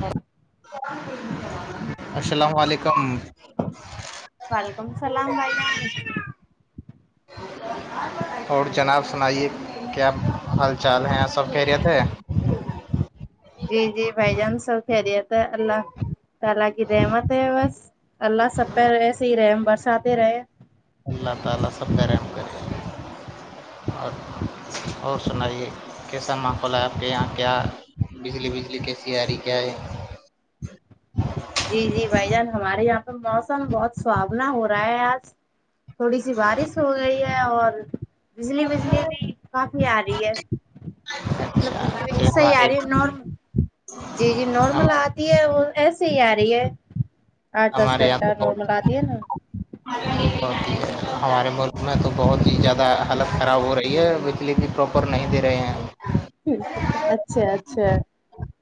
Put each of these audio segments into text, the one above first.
ہاں السلام علیکم وعلکم السلام بھائی اور جناب سنائیے کیا حال چال ہیں سب خیریت ہے جی جی بھائی جان سب خریت ہے اللہ ت الاللہ کی رحمت ہے بس اللہ سب پہ رہےس ہی رحم برساتے رہے [unintelligible] کیسا ماحول ہے آپ کے یہاں کیا بجلی بجلی کی سیاری کیا ہے جی جی بھائی جان ہمارے یہاں پہ موسم بہت سہاونا ہو رہا ہے آج تھوڑی سی بارش ہو گئی ہے اور بجلی بجلی بھی کافی آ رہی ہے مطلب اچھا بجلی بجلی یہ صحی ہمارے آ رہی ہے جی جی ہم- نارمل آتی ہے وہ ایسے ہی آ رہی ہے آٹھ دس ہمارے یہاں گھنٹہ تو نارمل بہت آتی ہے نا ہمارے ملک میں تو بہت ہی زیادہ حالت خراب ہو رہی ہے لیکن پراپر نہیں دے رہے ہیں ہے اچھا اچھا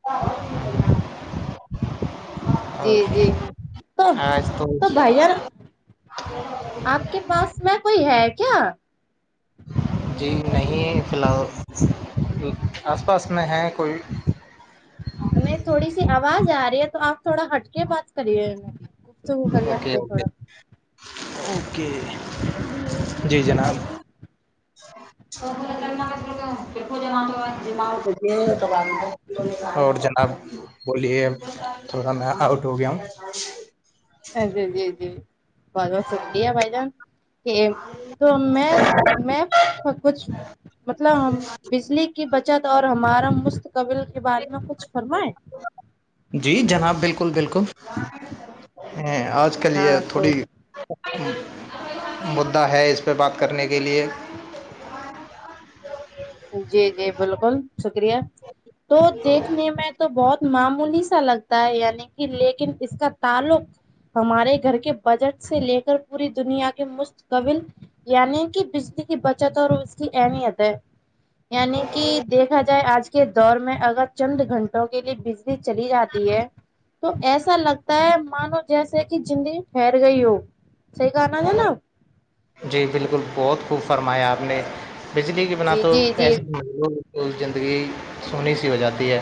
ا جی اور جی تو تو بھائی جارا آپ کے پاس میں کوئی ہے کیا جی نہیں فی الحال آس پاس میں ہے کوئی نہیں تھوڑی سی آواز آ رہی ہے تو آپ تھوڑا ہٹ کے بات کریے گفتگو کری ہٹ اوکے کے تھوڑا اوکے اوکے جی جناب تو پ جما جی اور جناب بولیے تھوڑا نا آؤٹ ہو گیا ہ ہ جی ہ جی جی بہت بہت شکریہ بھائی جان کہ تو میں میں کچھ مطلب ہم بجلی کی بچت اور ہمارا مستقبل کے بارے میں کچھ فرمائے جی جناب بالکل بالکل آج آ کے لیے ہاں تو تھوڑی مدعا ہے اس پہ بات کرنے کے لیے جی جی بالکل شکریہ تو دیکھ لیے میں تو بہت معمولی سا لگتا ہے یعنی کہ لیکن اس کا تعلق ہمارے گھر کے بجٹ سے لے کر پوری دنیا کے مفت قبل یعنی کہ بجلی کی بچت اور اس کی اہمیت ہے یعنی کہ دیکھا جائے آج کے دور میں اگر چند گھنٹوں کے لیے ب چلی جاتی ہے تو ایسا لگتا ہے مانو جیسے کہ زندگی ٹھیہر گئی ہو صحیح کہنا تھا ہے نا جی بالکل بہت خوب فرمایا آپ نے بجلی کے بنا جی تو جی جی ایسے ر زندگی سونی سی ہو جاتی ہے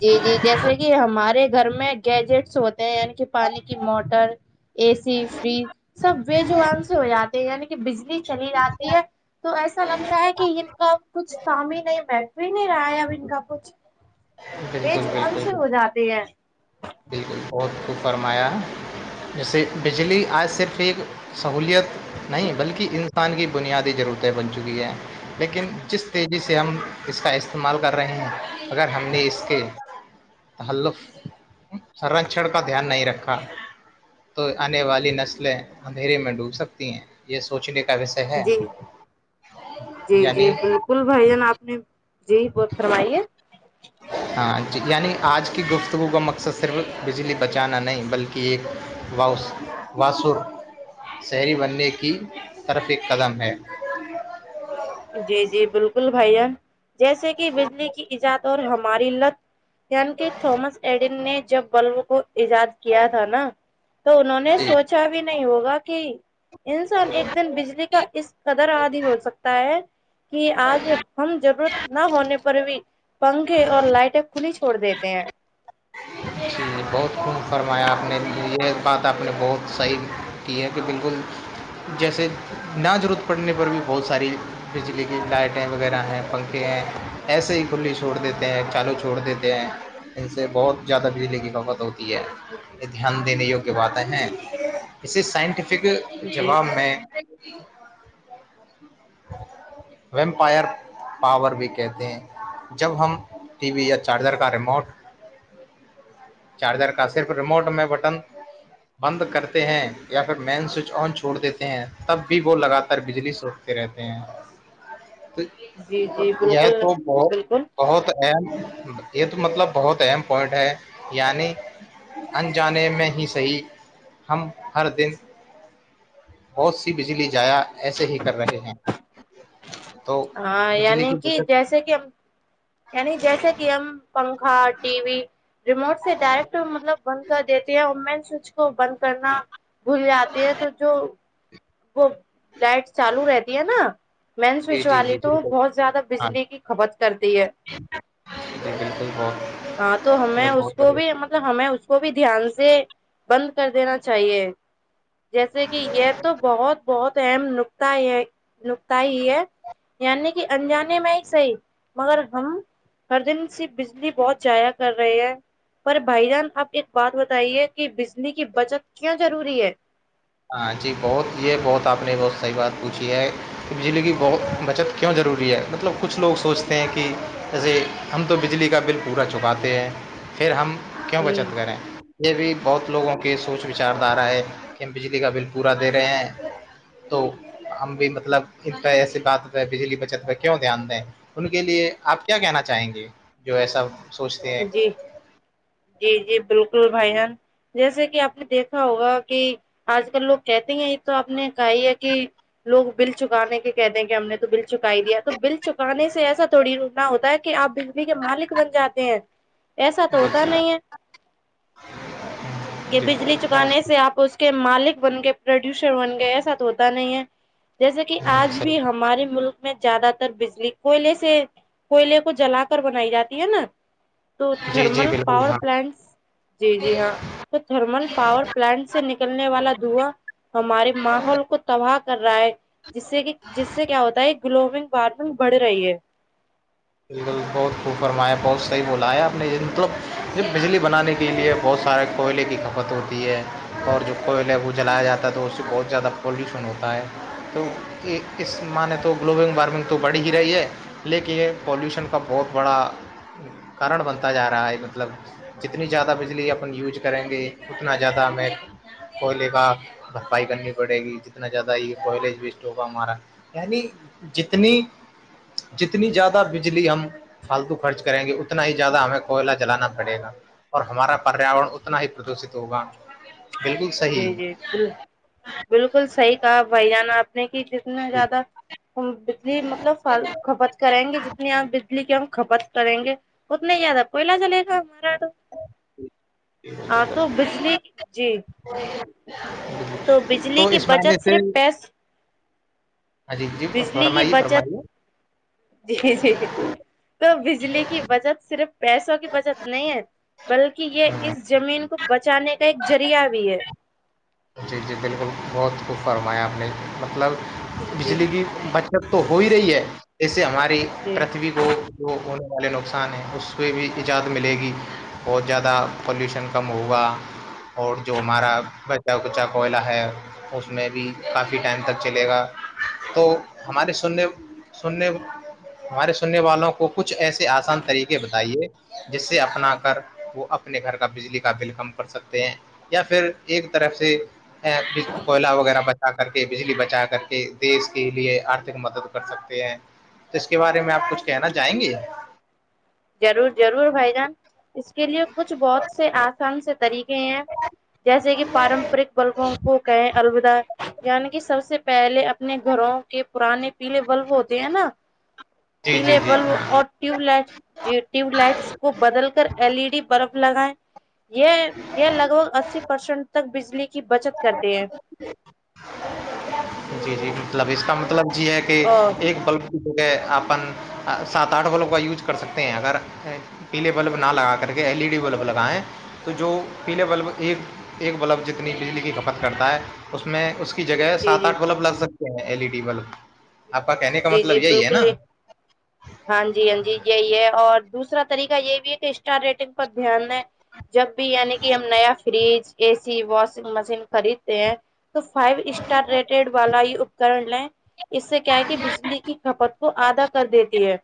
جی جی جیسے کہ ہمارے گھر میں گیجٹس ہوتے ہیں یعنی کہ پانی کی موٹر اے سی فریج سب وےجوان سے ہو جاتے ہیں یعنی بجلی چلی جاتی ہے تو ایسا لگتا ہے کہ ان کا کچھ کام ہی نہیں بیٹھتا و نہیںیر آیا ب کا پچھ بالکل بالکل جاتے ہیں بالکل بہت خوب فرمایا جیسے بجلی آج صرف ایک سہولیت نہیں بلکہ انسان کی بنیادی ضرورتیں بن چکی ہیں لیکن جس تیزی سے ہم اس کا استعمال کر رہے ہیں اگر ہم نے اس کے تحلف ہچن کا دھیان نہیں رکھا تو آنے والی نسلیں اندھیرے میں ڈوب سکتی ہیں یہ سوچنے کا وشے ہے جی یعنی کل بھائی جان آپ نے یہیی بات کروائی ہے ہاں جی یعنی آج کی گفتگو کا مقصد صرف بجلی بچانا نہیں بلکہ کی واس واسو شہری بننے کی طرف ایک قدم ہے جی جی بالکل بھائیین جیسے کہ بجلی کی ایجاد اور ہماری لت یعنی کہ تھامس ایڈیسن نے جب بلب کو ایجاد کیا تھا نا تو انہوں نے جی سوچا بھی نہیں ہوگا کہ انسان ایک دن بجلی کا اس قدر آدی ہو سکتا ہے کہ آج ہم ضرورت نہ ہونے پر بھی پنکھے اور لائٹیں کھلی چھوڑ دیتے کہ جی بہت خوب فرمایا آپ نے یہ بات آپ نے بہت صحیح کی ہے کہ بالکل جیسے نہ ضرورت پڑنے پر بھی بہت ساری بجلی کی لائٹیں وغیرہ ہیں پنکھے ہیں ایسے ہی کھلی چھوڑ دیتے ہیں چالو چھوڑ دیتے ہیں ان سے بہت زیادہ بجلی کی کھپت ہوتی ہے یہ دھیان دینے یوگیہ باتیں ہیں اسے سائنٹیفک جی جواب میں [inaudible] ویمپائر پاور بھی کہتے ہیں جب ہم ٹی وی یا چارجر کا ریموٹ چارجر کا صرف ریموٹ میں بٹن بند کرتے ہیں یا پھر مین سوئچ آن چھوڑ دیتے ہیں تب بھی وہ لگاتار بجلی رہتے ہیں تو جی جی یہ بالکل تو بت بالکل بہت اہم یہ تو مطلب بہت اہم پوائنٹ ہے یعنی انجانے میں ہی صحیح ہم ہر دن بہت سی بجلی ضائع ایسے ہی کر رہے ہیں تو ہاں بجلی یعنی کی کہ بقت جیسے کہ ہم یعنی جیسے کہ ہم پنکھا ٹی وی ریموٹ سے ڈائریکٹ مطلب بند کر دیتی ہیں اور مین سوچ کو بند کرنا بھول جاتی ہے تو جو وہ لائٹ چالو رہتی ہے نا مین جی سوئچ جی والی جی تو بالکل بہت زیادہ بجلی کی کھپت کرتی ہے یہ بالکل بہت ہاں تو ہمیں اس بہت کو بڑھیا بھی مطلب ہمیں اس کو بھی دھیان سے بند کر دینا چاہیے جیسے کہ یہ تو بہت بہت اہم نکتا ہے نکتا ہی ہے یعنی کہ انجانے میں ہی صحیح مگر ہم ہر دن سی بجلی بہت ضائعا کر رہی ہے پر بھائی جان اپ ایک بات بتائیے کہ بجلی کی بچت کیا ضروری ہے ہاں جی بہت یہ بہت آپ نے بہت صحیح بات پوچھی ہے کہ بجلی کی بہت بچت کیوں ضروری ہے مطلب کچھ لوگ سوچتے ہیں کہ ایزے ہم تو بجلی کا بل پورا چکاتے ہیں پھر ہم کیوں ہوں بچت کریں یہ بھی بہت لوگوں کی سوچ وچاردھارا ہے ہم بجلی کا بل پورا دے رہے ہیں تو ہم بھی مطلب ان پہ ایسی بات پہ بجلی بچت پہ کیوں دھیان دیں ان کے لیے آپ کیا کہنا چاہیں گے جو ایسا سوچتے ہیں جی جی جی بالکل بھائی جان جیسے کہ آپ نے دیکھا ہوگا کہ آج کل لوگ کہتے ہیں تو آپ نے کہا ہی ہے کہ لوگ بل چکانے کے کہتے ہیں کہ ہم نے تو بل چکائی دیا تو بل چکانے سے ایسا تھوڑی رنا ہوتا ہے کہ آپ کے مالک بن جاتے ہیں ایسا تو جی ہوتا جی نہیں ہے کہ جی بجلی بہت بہت چکانے سے آپ اس کے مالک بن گئے پروڈیوسر بن گئے ایسا تو ہوتا نہیں ہے جیسے کہ آج بھی صحیح ہمارے ملک میں زیادہ تر بجلی کوئلے سے کوئلے کو جلا کر بنائی جاتی ہے نا تو جی جی تھرمل بالکل پاور ہاں پلانٹس جی جی ہاں تو تھرمل پاور پلانٹ سے نکلنے والا دھواں ہمارے ماحول کو تباہ کر رہا ہے جس سے کہ جس سے کیا ہوتا ہے گلوبل وارمنگ بڑھ رہی ہے بالکل بہت خوب فرمایا بہت صحیح بولایا آپ نے مطلب یہ بجلی بنانے کے لیے بہت سارے کوئلے کی کھپت ہوتی ہے اور جو کوئلے وہ جلایا جاتا ہے تو اس سے بہت زیادہ پالوشن ہوتا ہے تو اس معنی تو گلوبل وارمنگ تو بڑھی ہی رہی ہے لیکن یہ پالوشن کا بہت بڑا کارن بنتا جا رہا ہے مطلب جتنی زیادہ بجلی اپن یوز کریں گے اتنا زیادہ ہمیں کوئلے کا بھرپائی کرنی پڑے گی جتنا زیادہ یہ کوئل وسٹ ہوگا ہمارا یعنی جتنی جتنی زیادہ زیاد بجلی ہم فالتو خرچ کریں گے اتنا ہی زیادہ ہمیں کوئلہ جلانا پڑے گا اور ہمارا پریاورن اتنا ہی پردوشت ہوگا بالکل جی صحیح جی ب بالکل صحیح کہا بھائی جانا آپ نے کہ جتنا زیادہ بجلی مطلب کھپت کرائیں گے جتنی آپ اس لیے کہ ہم کھپت کریں گے اتنے زیادہ پہلا چلے گا ہمارا تو ہاں تو بجلی جی ہ تو بجلی کی معنی بچت سے صرف پیس ہاں جی جی بجلی کی فرمائیے بچت فرمائیے جی جی تو بجلی کی بچت صرف پیسوں کی بچت نہیں ہے بلکہ یہ اس زمین کو بچانے کا ایک ذریعہ بھی ہے ی جی بالکل بہت خوب فرمایا آپ نے مطلب جی بجلی بھی بچ تو ہو ہی رہی ہے جسے ہماری جی پرتھوی کو کو جو ہونے والے نقصان ہیں اس پہ بھی ایجاد ملے گی بہت زیادہ پلیوشن کم ہوگا اور جو ہمارا کچا کوئلہ ہے اس میں بھی کافی ٹائم تک چلے گا تو ہماری سننے سننے ہمارے سننے والوں کو کچھ ایسے آسان طریقے بتائیے جس سے اپنا کر وہ اپنے گھر کا بجلی کا بل کم کر سکتے ہیں یا پھر ایک طرف سے کوئلہ وغیرہ بچا کر کے بجلی بچا کر کے دیش کے لیے آرتھک مدد کر سکتے ہیں تو اس کے بارے میں آپ کچھ کہنا چاہیں گے ضرور ضرور بھائی جان اس کے لیے کچھ بہت سے سے طریقے ہیں جیسے کہ پارمپرک بلبوں کو کہیں الودا یعنی کہ سب سے پہلے اپنے گھروں کے پرانے پیلے بلب ہوتے ہیں نا جی پیلے جی جی بلب ہاں اور ٹیوب لائٹ ج ٹیوب لائٹس کو بدل کر ایل ای ڈی برف لگائے یہ یہ لگ بھگ اسی پرسنٹ تک بجلی کی بچت کرتے ہے جی جی مطلب اس کا مطلب یہی ہے کہ ا ایک بلب اپن سات آٹھ والوں کا یوز کر سکتے ہیں اگر پیلے بلب نہ لگا کر کے ایل ای ڈی بلب لگیں تو جو پیلے بلب ایک ایک بلب جتنی بجلی کی کھپت کرتا ہے اس میں اس کی جگہ جی سات جی آٹھ بلب لگ سکتے ہیں ایل ای ڈی بلب آپ کا کہنے کا جی مطلب جی یہی ہے نا بالکل ہاں جی ہاں جی یہی ہے اور دوسرا طریقہ یہ بھی ہے کہ اسٹار ریٹنگ پر دھیان ہے جب بھی یعنی کہ ہم نیا fridge A C washing machine خریدتے ہیں تو فائیو اسٹار ریٹڈ والا یہ اپکرن لیں اس سے کیا ہے بجلی کی کھپت کو آدھا کر دیتی ہے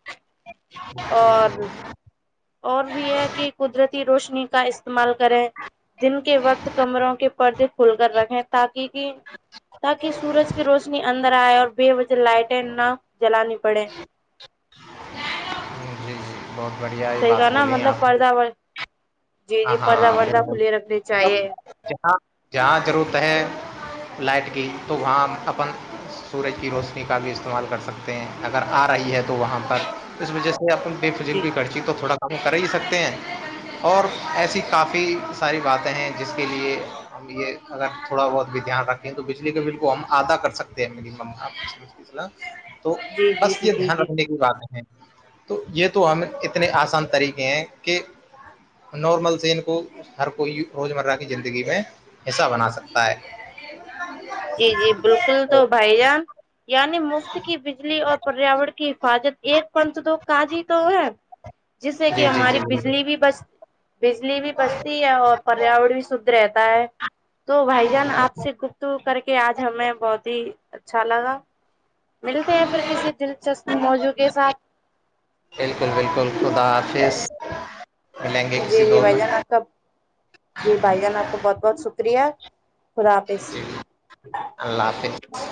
اور اور بھی یہ کہ قدرتی روشنی کا استعمال کریں دن کے وقت کمروں کے پردے کھل کر رکھیں تاکہ کہ تاکہ سورج کی روشنی اندر آئے اور بے وجہ لائٹیں نہ جلانی پڑے جی جی بہت بڑھیا یہ صحیح بات کہا نا بولی مطلب آپ نے پردہ وغیرہ جی ہاں جی ہاں پردہ وردہ بالکل کھلے رکھنے مب چاہیے جہاں جہاں ضرورت ہے لائٹ کی تو وہاں اپ سورج کی روشنی کا بھی استعمال کر سکتے ہیں اگر آ رہی ہے تو وہاں پر اس وجہ سے اپ بے فضل جی کی خرچی تو تھوڑا کم کر ہی سکتے ہیں اور ایسی کافی ساری باتیں ہیں جس کے لیے ہم یہ اگر تھوڑا بہت بھی دھیان رکھیں تو بجلی کے بل کو ہم آدا کر سکتے ہیں آپلا تو جی جی بس جی یہ جی دھیان رکھنے کی بات ہے تو یہ تو ہم اتنے آسان طریقے ہیں کہ نارمل سے ان کو ہر کوئی روز مرہ کی زندگی میں حصہ بنا سکتا ہے جی جی بالکل تو بھائی جان یعنی مفت کی بجلی اور پریاورن کی حفاظت ایک پنت تو کاج ہی تو ہے جس سے کہ جی جی جی ہماری بالکل بجلی بھی بچتی بجلی بھی بچتی ہے اور پریاورن بھی شھ رہتا ہے تو بھائی جان آپ سے گپت کر کے آج ہمیں بہت ہی اچھا لگا ملتے ہیں پھر کسی دلچسپ موضوع کے ساتھ بالکل بالکل خدا حافظ ملیں گے جی کسی جی دور بھائی میں جان کب جی بھائی جان آپ کا بہت بہت شکریہ خدا حافظ جی اللہ حافظ